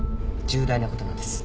重大な事なんです。